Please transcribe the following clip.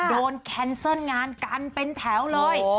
แคนเซิลงานกันเป็นแถวเลย